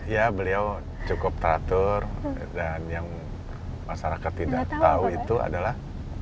ya beliau cukup teratur dan yang masyarakat tidak tahu itu adalah